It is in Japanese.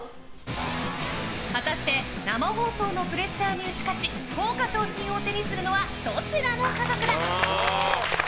果たして生放送のプレッシャーに打ち勝ち豪華賞品を手にするのはどちらの家族だ？